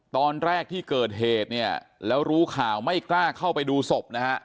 ตอนแรกที่เกิดเหตุเนี่ยแล้วรู้ข่าวไม่กล้าเข้าไปดูศพนะฮะ